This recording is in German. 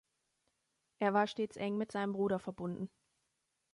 Er war stets eng mit seinem Bruder verbunden.